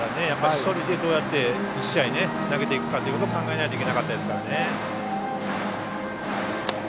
１人でどうやって１試合投げていくかを考えなきゃいけなかったですからね。